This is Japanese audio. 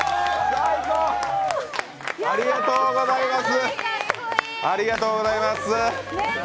大将、ありがとうございました。